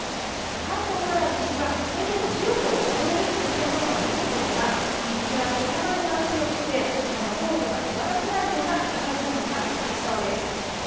関東から西はそれでも１０度を超えるところが多いですが日中は北風が強くてコートが手放せない肌寒さが続きそうです。